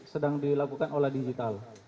sedang dilakukan oleh digital